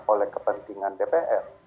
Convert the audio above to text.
oleh kepentingan dpr